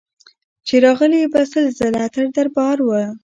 چي راغلې به سل ځله تر دربار وه